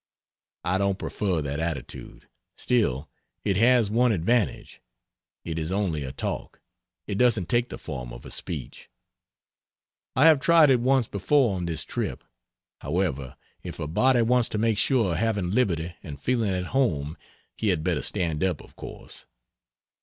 I don't prefer that attitude. Still, it has one advantage it is only a talk, it doesn't take the form of a speech. I have tried it once before on this trip. However, if a body wants to make sure of having "liberty," and feeling at home, he had better stand up, of course.